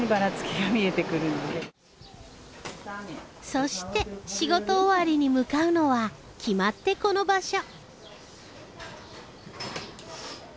そして仕事終わりに向かうのは決まってこの場所。